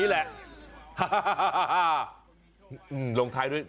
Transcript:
ลงท้ายด้วย